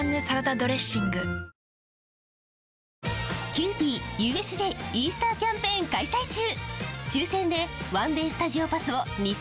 キユーピーＵＳＪイースターキャンペーン開催中！